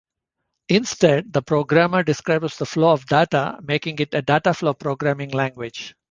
Instead, the programmer describes the flow of data, making it a dataflow programming language.